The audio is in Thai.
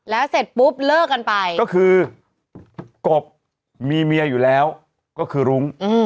แล้วเสร็จปุ๊บเลิกกันไปก็คือกบมีเมียอยู่แล้วก็คือรุ้ง